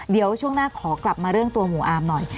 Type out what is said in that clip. เดี๋ยวช่วงหน้าขอกลับมาเรื่องตัวหมู่อามหน่อย